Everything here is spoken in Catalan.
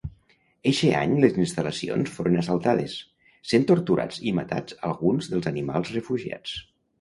Eixe any les instal·lacions foren assaltades, sent torturats i matats alguns dels animals refugiats.